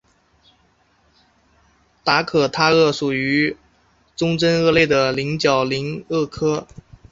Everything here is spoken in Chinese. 达科塔鳄属于中真鳄类的棱角鳞鳄科。